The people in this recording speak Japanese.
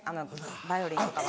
バイオリンとかは。